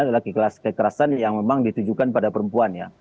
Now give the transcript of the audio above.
adalah kekerasan yang memang ditujukan pada perempuan ya